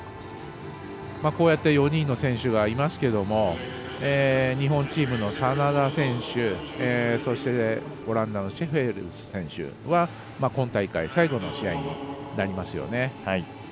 こうやって４人の選手がいますけど日本チームの眞田選手そしてオランダのシェフェルス選手は今大会、最後の試合になりますね。